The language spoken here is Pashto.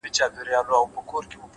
د سړک څنډه تل د تګ او تم ترمنځ وي؛